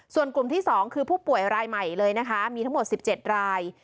ส่วนกลุ่มที่๒คือผู้ป่วยรายใหม่เลยนะคะมีทั้งหมด๑๗ราย